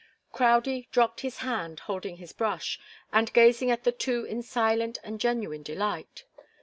Crowdie dropped his hand, holding his brush, and gazing at the two in silent and genuine delight.